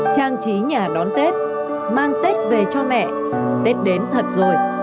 trang trí nhà đón tết mang tết về cho mẹ tết đến thật rồi